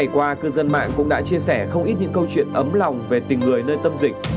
qua cư dân mạng cũng đã chia sẻ không ít những câu chuyện ấm lòng về tình người nơi tâm dịch